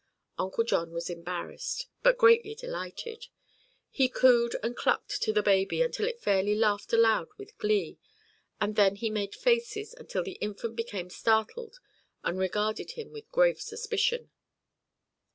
Uncle John was embarrassed but greatly delighted. He cooed and clucked to the baby until it fairly laughed aloud with glee, and then he made faces until the infant became startled and regarded him with grave suspicion.